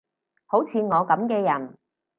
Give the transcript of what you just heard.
好似我噉嘅人